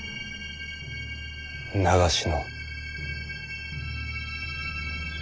長篠。